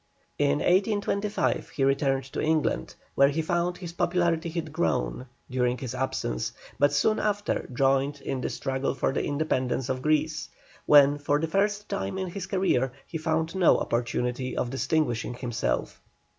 In 1825 he returned to England, where he found his popularity had grown during his absence, but soon after joined in the struggle for the independence of Greece, when for the first time in his career he found no opportunity of distinguishing himself.